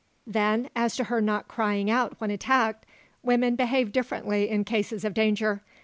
"Then, as to her not crying out when attacked, women behave differently in cases of danger.